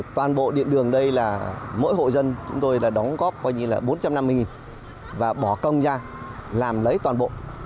toàn bộ điện đường đây là mỗi hộ dân chúng tôi đóng góp bốn trăm năm mươi và bỏ công ra làm lấy toàn bộ